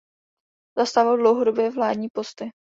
Zastával dlouhodobě vládní posty.